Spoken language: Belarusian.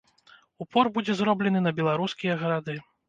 Упор будзе зроблены на беларускія гарады.